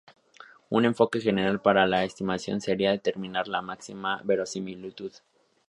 Un enfoque general para la estimación sería determinar la máxima verosimilitud.